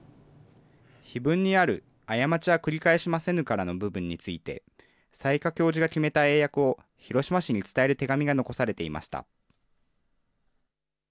碑文にある、過ちは繰り返しませぬからの部分について、雑賀教授が決めた英訳を広島市に伝える手紙が残されていました。